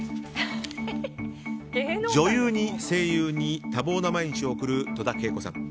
女優に声優に多忙な毎日を送る戸田恵子さん。